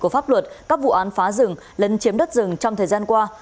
của pháp luật các vụ án phá rừng lấn chiếm đất rừng trong thời gian qua